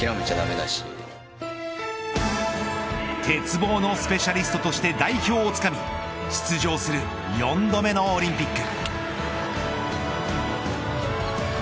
鉄棒のスペシャリストとして代表をつかみ出場する４度目のオリンピック。